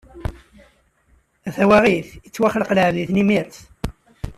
A tawaɣit, ittwaxleq lɛebd i tnimirt.